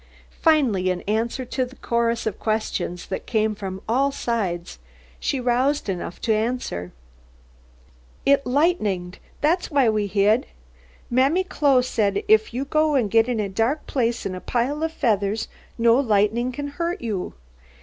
Finally, in answer to the chorus of questions that came from all sides, she roused enough to answer. "It lightened, that's why we hid. Mammy Chloe thed if you go get in a dark plathe on a pile of featheths, no lightnin' can hurt you.